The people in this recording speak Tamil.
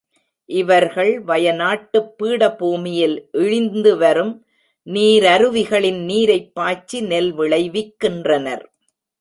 இவர்கள் வய நாட்டுப் பீடபூமியில், இழிந்துவரும் நீரருவிகளின் நீரைப்பாய்ச்சி நெல் விளைவிக்கின்றனர்.